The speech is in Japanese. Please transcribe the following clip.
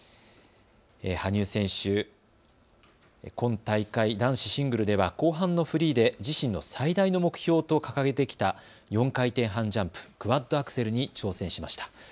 羽生選手、今大会、男子シングルでは後半のフリーで自身の最大の目標と掲げてきた４回転半ジャンプクワッドアクセルに挑戦しました。